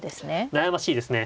悩ましいですね。